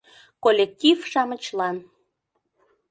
КОЛЛЕКТИВ-ШАМЫЧЛАН